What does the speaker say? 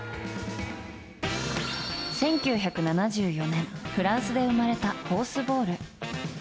１９７４年フランスで生まれたホースボール。